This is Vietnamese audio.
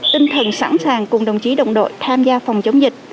tinh thần sẵn sàng cùng đồng chí đồng đội tham gia phòng chống dịch